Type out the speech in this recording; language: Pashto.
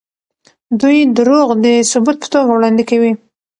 دوی دروغ د ثبوت په توګه وړاندې کوي.